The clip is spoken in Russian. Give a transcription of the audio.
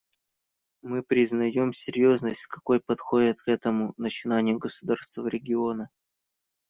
Мы признаем серьезность, с какой подходят к этому начинанию государства региона.